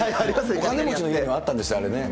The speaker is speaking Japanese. お金持ちの家にはあったんですよ、あれね。